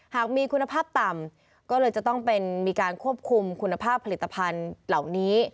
หากมีคุณภาพต่ำก็เลยจะต้องเป็นมีการควบคุมคุณภาพผลิตภัณฑ์เหล่านี้